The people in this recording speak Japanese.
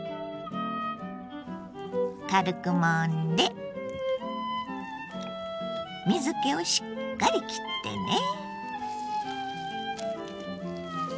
軽くもんで水けをしっかりきってね。